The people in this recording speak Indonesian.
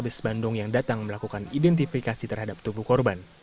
bes bandung yang datang melakukan identifikasi terhadap tubuh korban